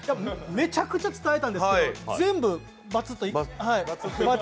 めちゃくちゃ伝えたんですけど、全部バツっと。